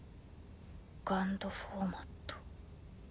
ＧＵＮＤフォーマット。